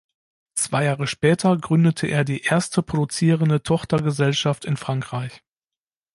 Zwei Jahre später gründete er die erste produzierende Tochtergesellschaft in Frankreich.